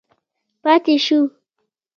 پاتې شو.